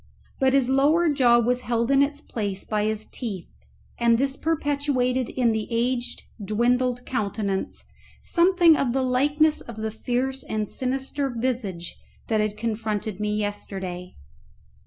But his lower jaw was held in its place by his teeth, and this perpetuated in the aged dwindled countenance something of the likeness of the fierce and sinister visage that had confronted me yesterday.